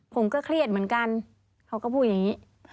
ผมก็เครียดเหมือนกันเขาก็พูดอย่างนี้